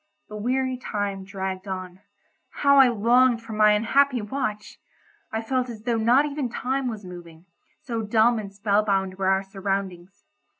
The weary time dragged on. How I longed for my unhappy watch! I felt as though not even time was moving, so dumb and spell bound were our surroundings.